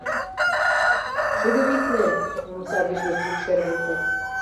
— Шӱдӧ витле! — омса виш гыч йӱк шергылте.